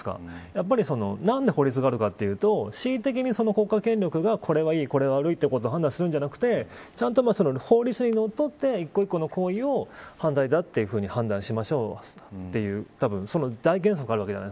やっぱり何で法律があるかというと恣意的に国家権力がこれはいい、悪いということを判断するんじゃなくてちゃんと法律にのっとって一個一個の行為を犯罪だと判断しましょうというたぶんその大原則があるわけです。